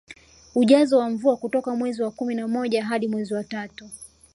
Ujazo wa mvua kutoka mwezi wa kumi na moja hadi mwezi wa tatu